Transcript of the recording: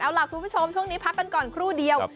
เอาล่ะคุณผู้ชมช่วงนี้พักกันก่อนครู่เดียว